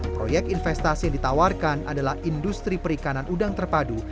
proyek investasi yang ditawarkan adalah industri perikanan udang terpadu